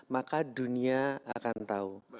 maka dunia akan tahu